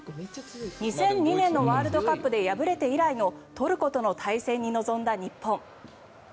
２００２年のワールドカップで敗れて以来のトルコとの対戦に臨んだ日本。